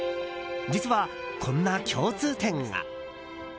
実は、こんな共通点が。